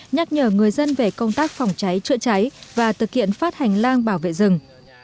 nhắc nhở người dân về công tác phòng cháy chữa cháy và thực hiện phát hành lang bảo vệ rừng